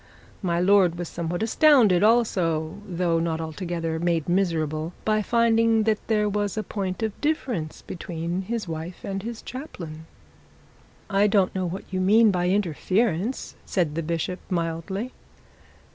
My lord was somewhat astounded also, though not altogether made miserable, by finding that there was a point of difference between his wife and his chaplain. 'I don't know what you mean by interference,' said the bishop mildly.